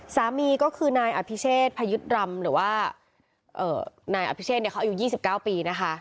สามีก็คือนายอภิเชษพยุทธ์รำหรือว่านายอภิเชษเขาอายุ๒๙ปีนะคะ